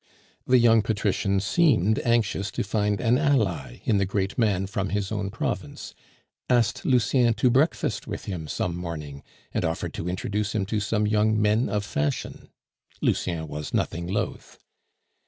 The young patrician seemed anxious to find an ally in the great man from his own province, asked Lucien to breakfast with him some morning, and offered to introduce him to some young men of fashion. Lucien was nothing loath.